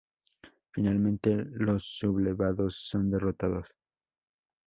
Finalmente los sublevados son derrotados.